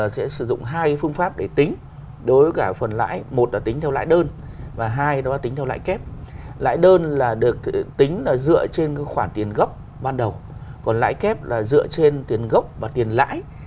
xin chào quý vị xin chào quý vị khán giả